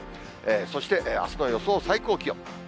そして、あすの予想最高気温。